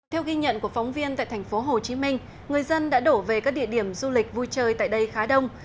theo ghi nhận của phóng viên tại tp hcm người dân đã đổ về các địa điểm du lịch vui chơi tại đây khá đông